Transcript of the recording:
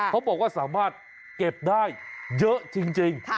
เขาบอกว่าสามารถเก็บได้เยอะจริง